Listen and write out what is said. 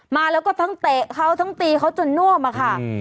มาแล้วก็ทั้งเตะเขาทั้งตีเขาจนน่วมอะค่ะ